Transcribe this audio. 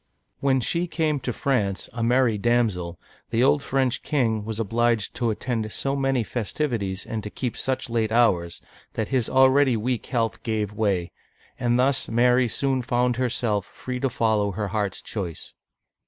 When she came to France, ac merry damsel, the old French, king was obliged to attend so many festivities and to keep such late hours, that his already weak health gave way, and thus Mary soon found herself free to follow her heart's choice.